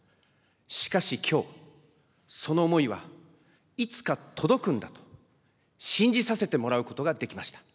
しかしきょう、その思いはいつか届くんだと、信じさせてもらうことができました。